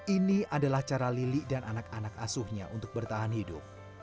ini adalah cara lili dan anak anak asuhnya untuk bertahan hidup